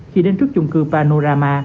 khi đến trước chung cư panorama